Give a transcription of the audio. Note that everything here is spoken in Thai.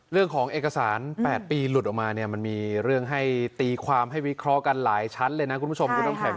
เรื่องของเอกสาร๘ปีหลุดออกมามันมีเรื่องให้ตีความให้วิเครากันหลายชั้นเลยนะคุณผู้ชม